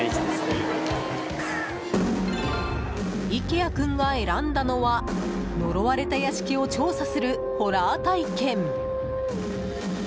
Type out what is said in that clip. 池谷君が選んだのは呪われた屋敷を調査するホラー体験。